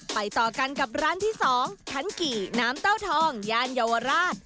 ต่อกันกับร้านที่๒คันกี่น้ำเต้าทองย่านเยาวราช